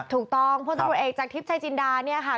ถูกต้องพ่อต้องรวดเอกจากทริปชายจินดาเนี่ยค่ะ